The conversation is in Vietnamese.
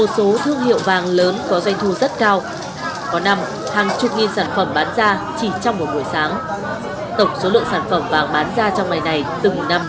tổng số lượng sản phẩm vàng bán ra trong ngày này từng năm tăng vọt